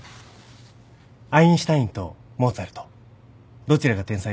アインシュタインとモーツァルトどちらが天才だと思います？